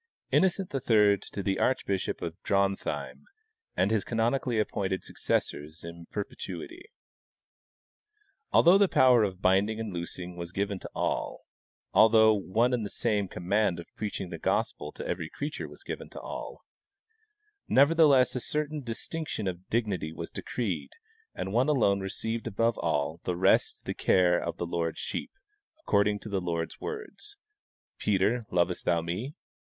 ) Innocent III to the archbishop of Drontheim and his canon ically appointed successors in perpetuity : Although the power of binding and loosing was given to all, although one and the same command of preaching the gospel to every creature was given to all, nevertheless a certain distinc tion of dignity was decreed and one alone received above all the rest the care of the Lord's sheep, according to the Lord's words : Peter, lovest thou me